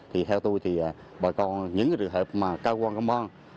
thì theo tôi thì bà con những trường hợp mà cơ quan công an